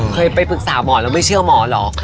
เคยไปปรึกษาหมอแล้วไม่เชื่อหมอเหรอ